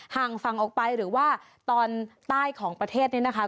ห่างฝั่งออกไปหรือว่าตอนใต้ของประเทศนี้นะคะ